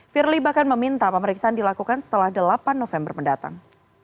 firly bahkan meminta pemeriksaan dilakukan setelah delapan november mendatang